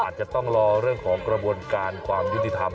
อาจจะต้องรอเรื่องของกระบวนการความยุติธรรม